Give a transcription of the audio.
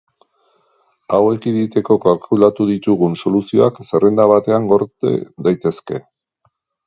Hau ekiditeko kalkulatu ditugun soluzioak zerrenda batean gorde daitezke.